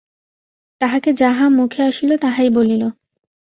তাহাকে যাহা মুখে আসিল তাহাই বলিল।